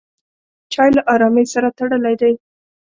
چای له ارامۍ سره تړلی دی.